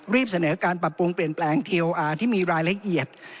เสนอการปรับปรุงเปลี่ยนแปลงเทลอาร์ที่มีรายละเอียด